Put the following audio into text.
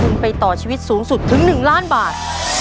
คุณไปต่อชีวิตสูงสุดถึง๑ล้านบาท